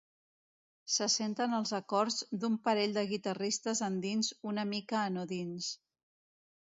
Se senten els acords d'un parell de guitarristes andins una mica anodins.